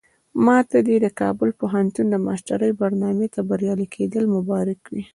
ماته دې د کابل پوهنتون د ماسترۍ برنامې ته بریالي کېدل مبارک وي.